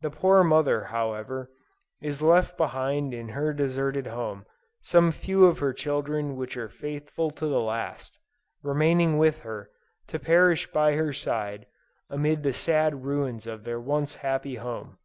The poor mother however, is left behind in her deserted home, some few of her children which are faithful to the last, remaining with her, to perish by her side, amid the sad ruins of their once happy home!